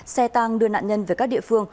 xe tang đưa nạn nhân về các địa phương